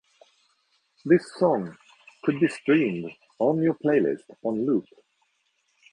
This song could be streamed on your playlist on loop.